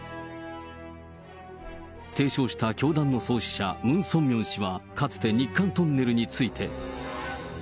提唱した教団の創始者、ムン・ソンミョン氏は、かつて日韓トンネルについて。